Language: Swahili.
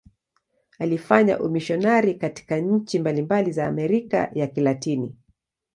Alifanya umisionari katika nchi mbalimbali za Amerika ya Kilatini.